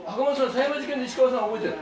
狭山事件の石川さんは覚えてる？